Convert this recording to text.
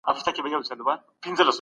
شل منفي نهه؛ يوولس کېږي.